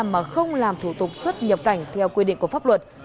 mà không làm thủ tục xuất nhập cảnh theo quy định của pháp luật